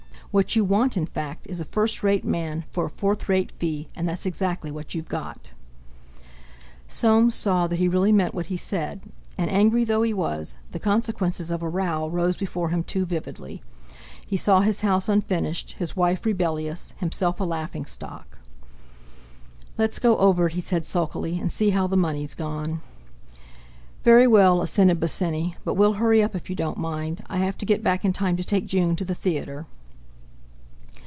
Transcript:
What you want, in fact, is a first rate man for a fourth rate fee, and that's exactly what you've got!" Soames saw that he really meant what he said, and, angry though he was, the consequences of a row rose before him too vividly. He saw his house unfinished, his wife rebellious, himself a laughingstock. "Let's go over it," he said sulkily, "and see how the money's gone." "Very well," assented Bosinney. "But we'll hurry up, if you don't mind. I have to get back in time to take June to the theatre."